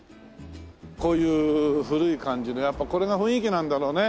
こういう古い感じのやっぱこれが雰囲気なんだろうね。